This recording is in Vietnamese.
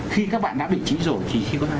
khi các bạn đã bị trĩ rồi thì khi có thai